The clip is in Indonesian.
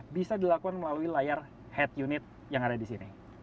bisa dilakukan melalui layar head unit yang ada di sini